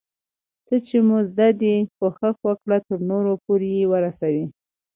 څه چي مو زده دي، کوښښ وکړه ترنور پورئې ورسوې.